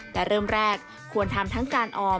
แต่เริ่มแรกควรทำทั้งการออม